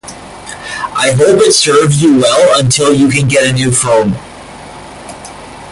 I hope it serves you well until you can get a new phone.